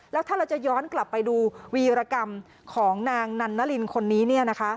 แล้วถ้าเราจะย้อนกลับไปดูวีรกรรมของนางนันนารินคนนี้